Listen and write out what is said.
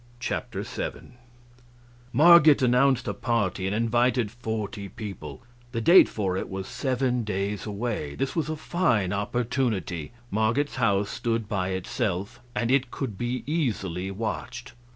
Chapter 7 Marget announced a party, and invited forty people; the date for it was seven days away. This was a fine opportunity. Marget's house stood by itself, and it could be easily watched.